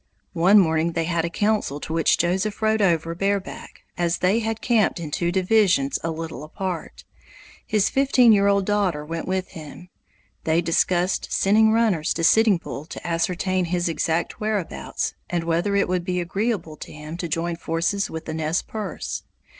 One morning they had a council to which Joseph rode over bareback, as they had camped in two divisions a little apart. His fifteen year old daughter went with him. They discussed sending runners to Sitting Bull to ascertain his exact whereabouts and whether it would be agreeable to him to join forces with the Nez Perces.